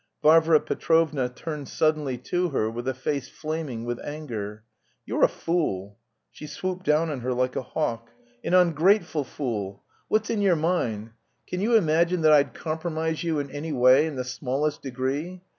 Varvara Petrovna turned suddenly to her with a face flaming with anger. "You're a fool!" She swooped down on her like a hawk. "An ungrateful fool! What's in your mind? Can you imagine that I'd compromise you, in any way, in the smallest degree.